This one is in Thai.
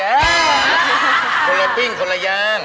คนละปิ้งคนละอย่าง